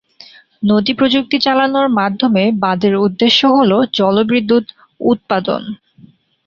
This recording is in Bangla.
নদী প্রযুক্তি চালানোর মাধ্যমে বাঁধের উদ্দেশ্য হল জলবিদ্যুৎ উৎপাদন।